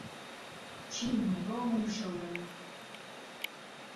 چین و رۆم و شهوڕهوی